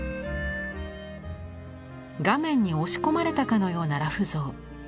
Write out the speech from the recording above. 画面に押し込まれたかのような裸婦像。